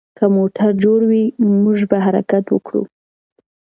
که موټر جوړ وي، موږ به حرکت وکړو.